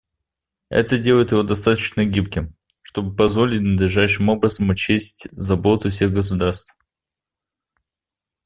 Это делает его достаточно гибким, чтобы позволить надлежащим образом учесть заботы всех государств.